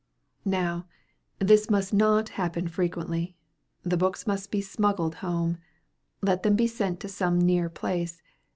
Now, this must not happen frequently. The books must be smuggled home. Let them be sent to some near place.